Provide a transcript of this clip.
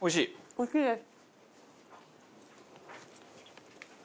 おいしいです。